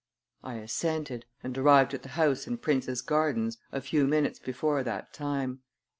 I assented, and arrived at the house in Prince's Gardens a few minutes before that time.